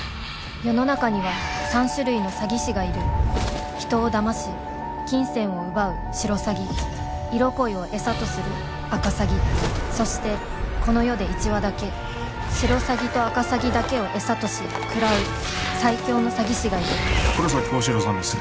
世の中には三種類の詐欺師がいる人を騙し金銭を奪うシロサギ色恋を餌とするアカサギそしてこの世で一羽だけシロサギとアカサギだけを餌とし喰らう最凶の詐欺師がいる黒崎高志郎さんですね